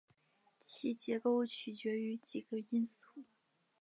其结构取决于几个因素。